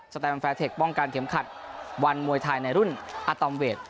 แตมแฟร์เทคป้องกันเข็มขัดวันมวยไทยในรุ่นอาตอมเวท